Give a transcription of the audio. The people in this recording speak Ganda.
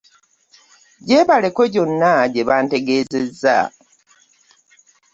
Gyebaleko gyonna gye bantegeezezza.